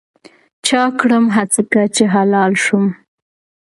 چا کړم هسکه چې هلال شوم